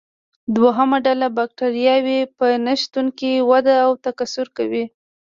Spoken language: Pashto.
دوهمه ډله بکټریاوې په نشتون کې وده او تکثر کوي.